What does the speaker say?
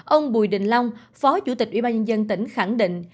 ông bùi định long phó chủ tịch ubnd tỉnh khẳng định